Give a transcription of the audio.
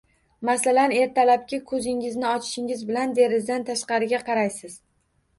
Masalan, ertalab koʻzingizni ochishingiz bilan derazadan tashqariga qaraysiz.